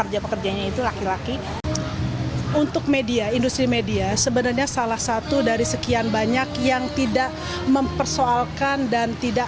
jadi bagaimana kita membawa diri kita bisa mencari penyelesaian